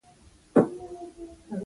علم ستا د صفتونو یو صفت دی